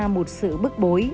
một sự bức bối